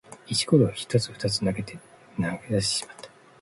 石ころを一つ二つと投げ出してしまった。